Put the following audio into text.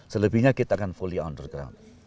selebihnya kita akan fully underground